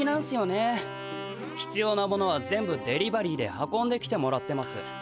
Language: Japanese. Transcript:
ひつようなものは全部デリバリーで運んできてもらってます。